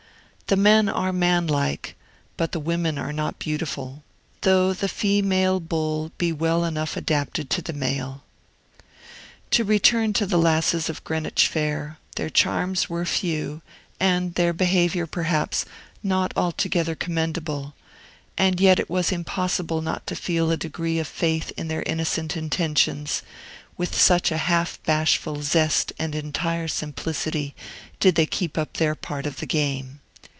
The men are manlike, but the women are not beautiful, though the female Bull be well enough adapted to the male. To return to the lasses of Greenwich Fair, their charms were few, and their behavior, perhaps, not altogether commendable; and yet it was impossible not to feel a degree of faith in their innocent intentions, with such a half bashful zest and entire simplicity did they keep up their part of the game.